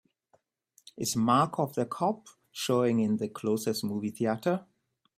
Is Mark of the Cop showing in the closest movie theatre